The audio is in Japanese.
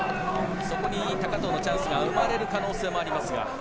そこに高藤のチャンスが生まれる可能性もありますが。